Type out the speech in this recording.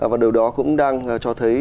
và điều đó cũng đang cho thấy